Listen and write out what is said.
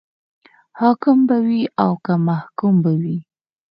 حاکم به وي او که محکوم به وي.